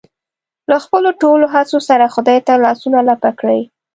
له خپلو ټولو هڅو سره خدای ته لاسونه لپه کړي.